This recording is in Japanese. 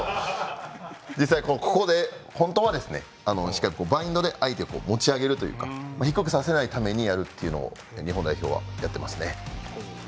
実際、ここで本当はしっかりしっかりバインドで相手を持ち上げるというか低くさせないためにやるっていうのを日本代表は、やってますね。